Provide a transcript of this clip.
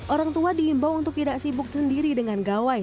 orang tua diimbau untuk tidak sibuk sendiri dengan gawai